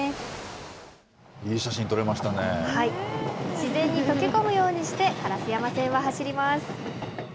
自然に溶け込むようにして、烏山線は走ります。